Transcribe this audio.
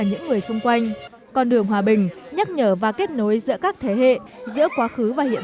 những người xung quanh con đường hòa bình nhắc nhở và kết nối giữa các thế hệ giữa quá khứ và hiện